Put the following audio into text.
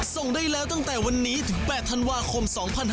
ส่งได้แล้วตั้งแต่วันนี้ถึง๘ธันวาคม๒๕๖๒